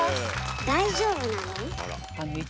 大丈夫なの？